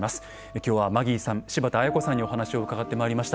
今日はマギーさん柴田綾子さんにお話を伺ってまいりました。